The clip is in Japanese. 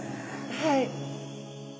はい。